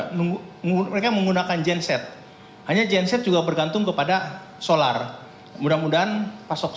menunggu mereka menggunakan genset hanya genset juga bergantung kepada solar mudah mudahan pasok